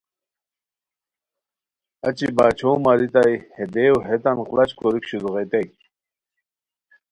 اچی باچھو ماریتائی، ہے دیو ہیتان قڑاچ کوریک شروغیتائے